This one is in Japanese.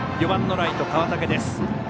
４番のライト、川竹です。